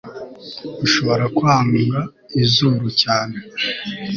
urashobora kwanga izuru cyane